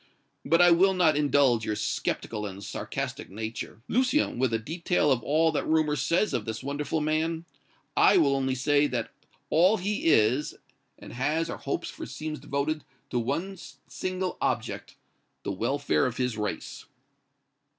But I will not indulge your skeptical and sarcastic nature, Lucien, with a detail of all that rumor says of this wonderful man. I will only say that all he is, and has or hopes for seems devoted to one single object the welfare of his race."